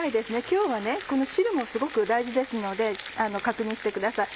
今日はこの汁もすごく大事ですので確認してください。